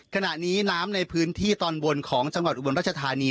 ขณะนี้น้ำในพื้นที่ตอนบนของจังหวัดอุบลรัชธานี